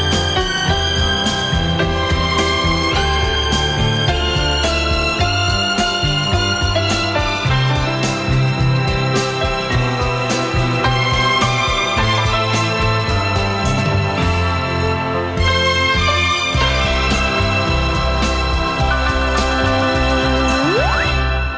hẹn gặp lại